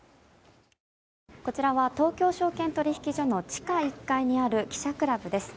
こちらは東京証券取引所の地下１階にある記者クラブです。